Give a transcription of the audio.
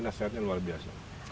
nasihatnya luar biasa